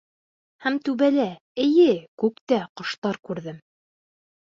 Һәм түбәлә, эйе, күктә ҡоштар күрҙем...